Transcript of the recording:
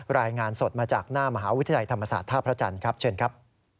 รายงานสดมาจากหน้ามหาวิทยาลัยธรรมศาสตร์ท่าพระจันทร์ครับเชิญครับ